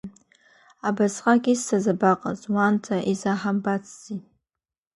Абасҟак иссаз абаҟаз, уаанӡа изаҳамбацзи?